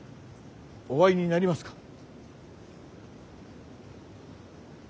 お会いになりますか。